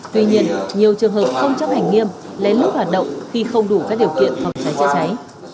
tuy nhiên nhiều trường hợp không chấp hành nghiêm lén lút hoạt động khi không đủ các điều kiện phòng cháy chữa cháy